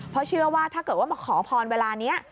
เพราะเชื่อว่าถ้าเกิดว่ามาขอพรเวลานี้